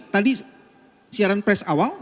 tadi siaran press awal